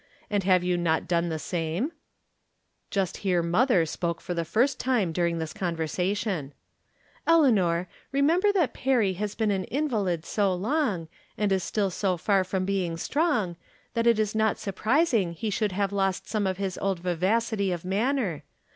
"And have you not done the same ?" Just here mother spoke for the first time dur ing this conversation :" Eleanor, remember that Perry has been an invalid so long, and is stUl so far from being strong, that it is not surprising he should have lost some of his old vivacity of manner.